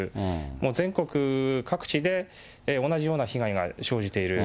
もう全国各地で同じような被害が生じている。